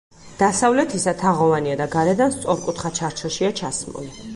დასავლეთისა თაღოვანია და გარედან სწორკუთხა ჩარჩოშია ჩასმული.